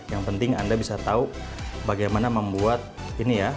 yang penting anda bisa tahu bagaimana membuat ini ya